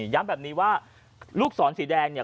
ย้ำแบบนี้ว่าลูกศรสีแดงเนี่ย